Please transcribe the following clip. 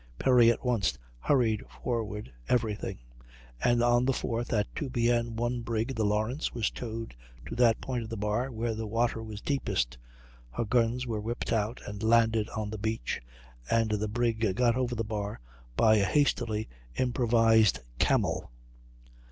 Perry at once hurried forward every thing; and on the 4th, at 2 P.M., one brig, the Lawrence, was towed to that point of the bar where the water was deepest. Her guns were whipped out and landed on the beach, and the brig got over the bar by a hastily improvised "camel."